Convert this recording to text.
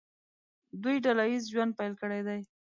دوی ډله ییز ژوند پیل کړی دی.